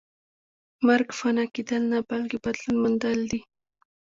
مرګ فنا کېدل نه بلکې بدلون موندل دي